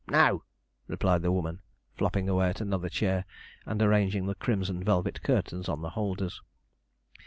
'No,' replied the woman, flopping away at another chair, and arranging the crimson velvet curtains on the holders.